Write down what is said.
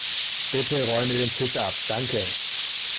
Bitte räume den Tisch ab, danke.